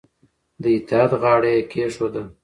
د اطاعت غاړه یې کېښوده